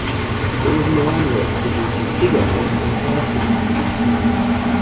It was an iron works producing pig iron and castings.